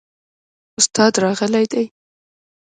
استاد راغلی دی؟